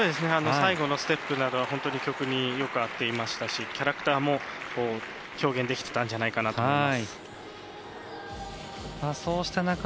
最後のステップなどは本当に曲によく合っていましたしキャラクターも表現できてたんじゃないかなと思います。